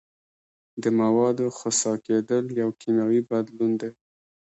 د موادو خسا کیدل یو کیمیاوي بدلون دی.